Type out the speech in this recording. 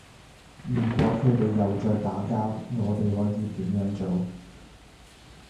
如果佢哋又再打交，我哋可以點樣做？